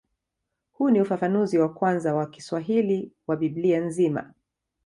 Huu ni ufafanuzi wa kwanza wa Kiswahili wa Biblia nzima.